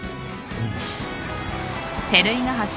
うん。